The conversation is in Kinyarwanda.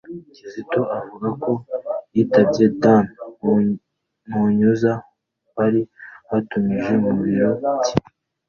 Kizito avuga ko yitabye Dan Munyuza wari wamutumije mu biro bye.